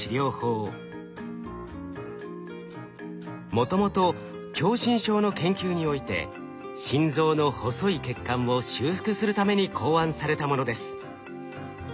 もともと狭心症の研究において心臓の細い血管を修復するために考案されたものです。